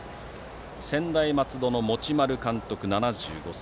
専大松戸の持丸監督は７５歳。